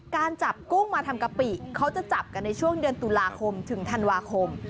การจับกุ้งมาทำกะปิเขาจะจับกันในช่วงเดือนตุลาคมถึงธันวาคม